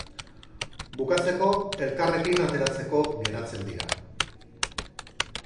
Bukatzeko, elkarrekin ateratzeko geratzen dira.